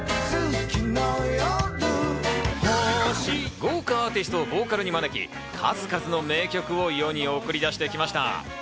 豪華アーティストをボーカルに招き、数々の名曲を世に送り出してきました。